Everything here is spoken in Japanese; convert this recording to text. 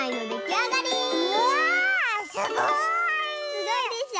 すごいでしょ？